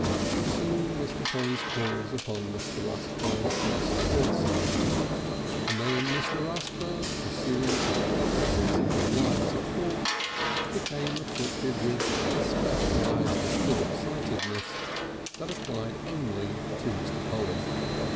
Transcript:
Soon Mr. Polly's calls upon Mr. Rusper ceased also, and then Mr. Rusper, pursuing incomprehensible lines of thought, became afflicted with a specialised shortsightedness that applied only to Mr. Polly.